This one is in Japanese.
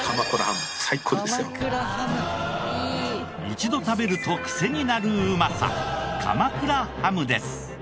一度食べるとクセになるうまさ鎌倉ハムです。